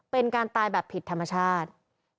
เป็นการตายแบบผิดธรรมชาติ